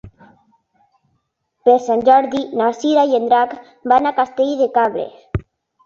Per Sant Jordi na Cira i en Drac van a Castell de Cabres.